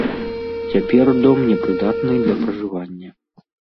Цяпер дом не прыдатны для пражывання.